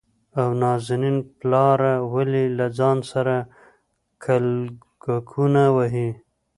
او نازنين پلاره ! ولې له ځان سره کلګکونه وهې؟